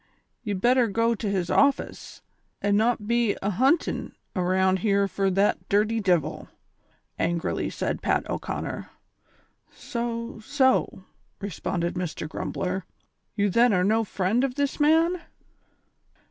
Ye better go to his office, an' not be ahun tin' around here fur the dirty divil," angrily said Pat O'Conner. "So, so," responded Mr. Grumbler; "you then are no friend of this man